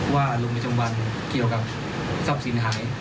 ว่าลงบันทึกจำวันเกี่ยวกับทรัพย์สินหาย